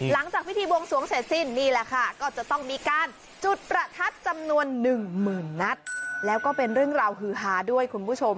หลังจากพิธีบวงสวงเสร็จสิ้นนี่แหละค่ะก็จะต้องมีการจุดประทัดจำนวนหนึ่งหมื่นนัดแล้วก็เป็นเรื่องราวฮือฮาด้วยคุณผู้ชม